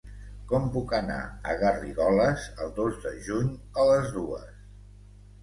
Com puc anar a Garrigoles el dos de juny a les dues?